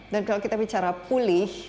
dan kalau kita bicara pulih